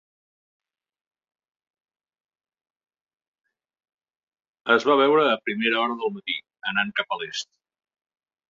Es va veure a primera hora del matí, anant cap a l'est.